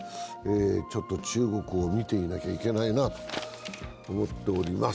ちょっと中国を見ていなきゃいけないなと思っております。